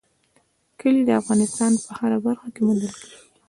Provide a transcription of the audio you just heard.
کلي د افغانستان په هره برخه کې موندل کېږي.